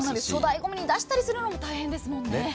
粗大ごみに出したりするのも大変ですものね。